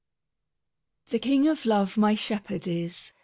King of love my Shep herd is.